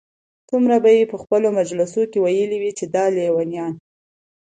څومره به ئې په خپلو مجالسو كي ويلي وي چې دا ليونيان